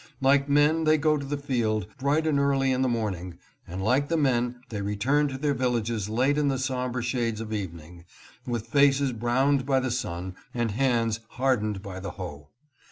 Like men they go to the field, bright and early in the morning, and like the men they return to their villages late in the somber shades of evening, with faces browned by the sun and hands hardened by the hoe.